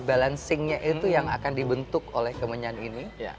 balancingnya itu yang akan dibentuk oleh kemenyan ini